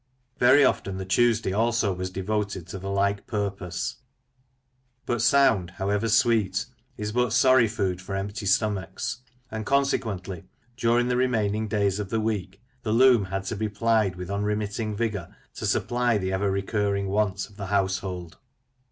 Very often the Tuesday also was devoted to the like purpose. But sound, however sweet, is but sorry food for empty stomachs, and, consequently, during the remaining days of the week, the loom had to be plied with unremitting vigour to supply the ever recurring wants of the household.